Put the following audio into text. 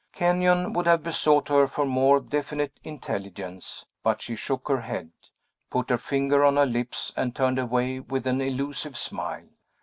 Kenyon would have besought her for more definite intelligence, but she shook her head, put her finger on her lips, and turned away with an illusive smile.